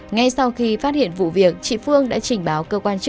ngay sau khi phát hiện vụ việc chị phương đã trình báo